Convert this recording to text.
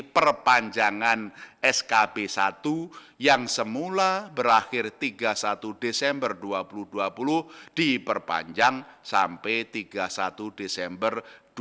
perpanjangan skb satu yang semula berakhir tiga puluh satu desember dua ribu dua puluh diperpanjang sampai tiga puluh satu desember dua ribu dua puluh